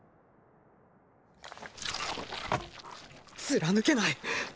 貫けない！